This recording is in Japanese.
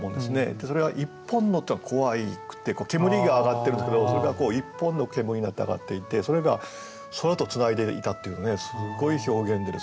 それが「一本の」って煙が上がってるんですけどそれが一本の煙になって上がっていてそれが空と繋いでいたっていうすごい表現でですね